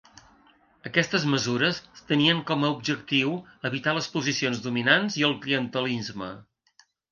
Aquestes mesures tenien com a objectiu evitar les posicions dominant i el clientelisme.